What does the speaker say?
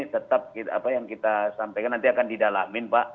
tetap apa yang kita sampaikan nanti akan didalamin pak